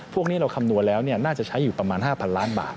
พวกนี้เราคำนวณแล้วน่าจะใช้อยู่ประมาณ๕๐๐ล้านบาท